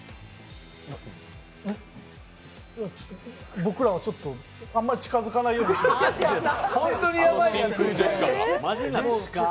僕らはちょっと、あんまり近づかないようにしてます。